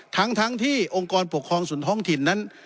ทั้งที่องค์กรปกครองส่วนท้องถิ่นนั้น